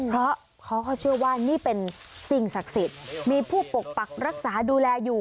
เพราะเขาก็เชื่อว่านี่เป็นสิ่งศักดิ์สิทธิ์มีผู้ปกปักรักษาดูแลอยู่